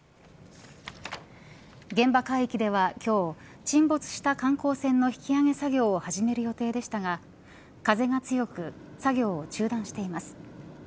現場海域では今日沈没した観光船の引き揚げ作業を始める予定でしたが風が強く作業を中断しています。